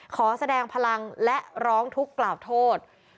ขอแสดงพลังและร้องทุกข์กล่าวโทษ